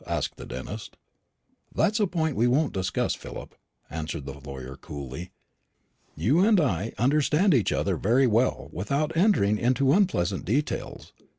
asked the dentist. "That's a point we won't discuss, Philip," answered the lawyer coolly. "You and I understand each other very well without entering into unpleasant details.